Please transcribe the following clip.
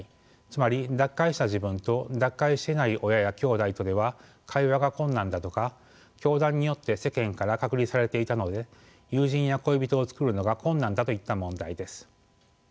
つまり脱会した自分と脱会していない親や兄弟とでは会話が困難だとか教団によって世間から隔離されていたので友人や恋人をつくるのが困難だといった問題です。